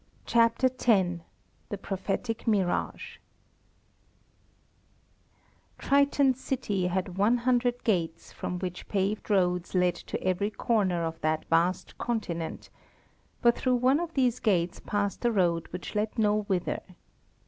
CHAPTER X THE PROPHETIC MIRAGE Triton's city had one hundred gates from which paved roads led to every corner of that vast continent; but through one of these gates passed a road which led no whither.